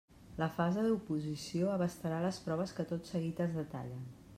La fase d'oposició abastarà les proves que tot seguit es detallen.